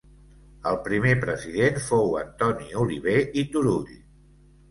El primer president fou Antoni Oliver i Turull.